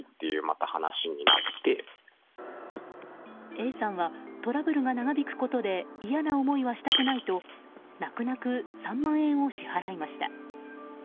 Ａさんはトラブルが長引くことで嫌な思いはしたくないと泣く泣く３万円を支払いました。